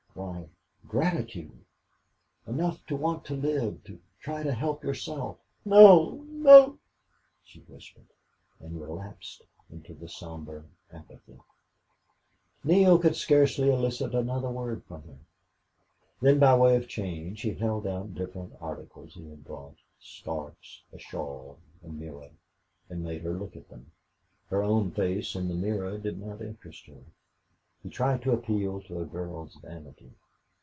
"Why, gratitude enough to want to live, to try to help yourself." "No no," she whispered, and relapsed into the somber apathy. Neale could scarcely elicit another word from her; then by way of change he held out different articles he had brought scarfs, a shawl, a mirror and made her look at them. Her own face in the mirror did not interest her. He tried to appeal to a girl's vanity.